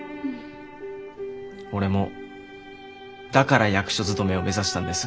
俺もだから役所勤めを目指したんです。